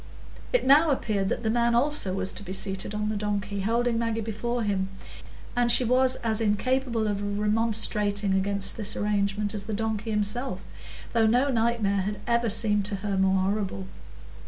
It now appeared that the man also was to be seated on the donkey, holding Maggie before him, and she was as incapable of remonstrating against this arrangement as the donkey himself, though no nightmare had ever seemed to her more horrible.